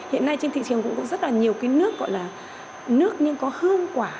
hiện nay trên thị trường cũng có rất là nhiều cái nước gọi là nước nhưng có hương quả